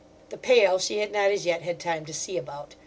The pail she had not as yet had time to see about.